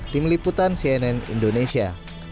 tim liputan cnn indonesia